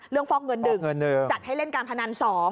เรื่องฟ็อกเงินหนึ่งจัดให้เล่นการพนัน๒